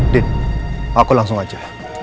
din aku langsung aja